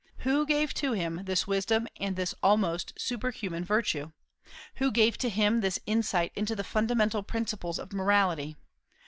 Who gave to him this wisdom and this almost superhuman virtue? Who gave to him this insight into the fundamental principles of morality?